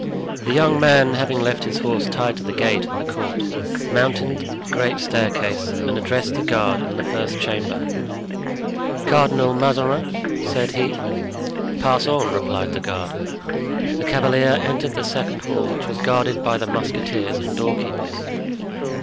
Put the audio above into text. The young man having left his horse tied to the gate in the court, mounted the great staircase and addressed the guard in the first chamber. "Cardinal Mazarin?" said he. "Pass on," replied the guard. The cavalier entered the second hall, which was guarded by the musketeers and doorkeepers.